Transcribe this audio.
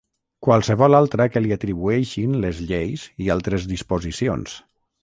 Qualsevol altra que li atribueixin les lleis i altres disposicions.